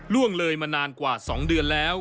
ล่วงเลยมานานกว่า๒เดือนแล้ว